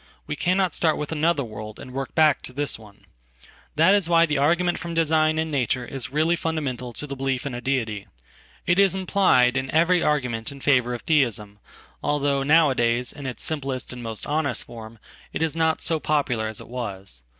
We cannot start with another world and workback to this one. That is why the argument from design in nature isreally fundamental to the belief in deity. It is implied in everyargument in favor of Theism, although nowadays, in its simplest andmost honest form, it is not so popular as it was.